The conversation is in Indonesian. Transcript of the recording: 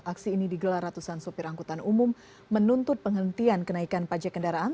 aksi ini digelar ratusan sopir angkutan umum menuntut penghentian kenaikan pajak kendaraan